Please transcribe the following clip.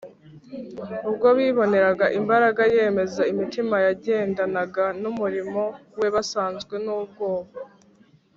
ubwo biboneraga imbaraga yemeza imitima yagendanaga n’umurimo we basazwe n’ubwoba,